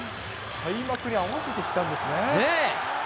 開幕に合わせてきたんですね。